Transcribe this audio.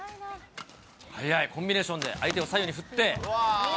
速いコンビネーションで、相手を左右に振って。